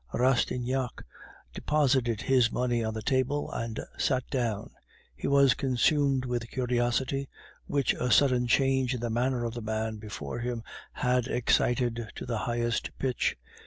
Rastignac deposited his money on the table, and sat down. He was consumed with curiosity, which the sudden change in the manner of the man before him had excited to the highest pitch.